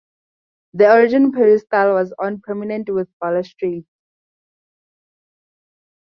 The original peristyle was on a promenade with balustrades.